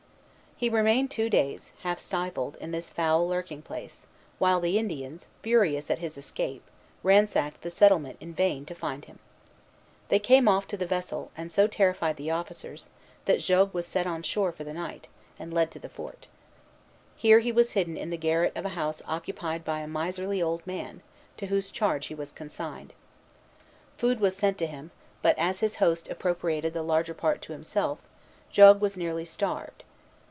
He remained two days, half stifled, in this foul lurking place, while the Indians, furious at his escape, ransacked the settlement in vain to find him. They came off to the vessel, and so terrified the officers, that Jogues was sent on shore at night, and led to the fort. Here he was hidden in the garret of a house occupied by a miserly old man, to whose charge he was consigned. Food was sent to him; but, as his host appropriated the larger part to himself, Jogues was nearly starved.